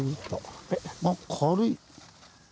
あっ軽い。